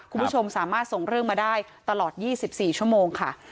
คุณผู้ชมสามารถส่งเรื่องมาได้ตลอด๒๔ชั่วโมงค่ะ